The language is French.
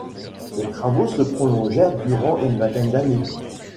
Les travaux se prolongèrent durant une vingtaine d'années.